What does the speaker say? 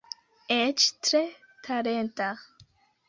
Eĉ tre talenta.